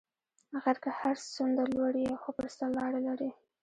غر که هر څونده لوړ یی خو پر سر لاره لری